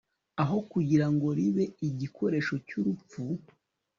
aho kugira ngo ribe igikoresho cyurupfu